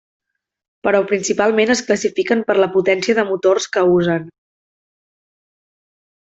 Però principalment es classifiquen per la potència de motors que usen.